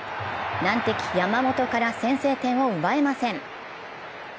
難敵・山本から先制点を奪えません。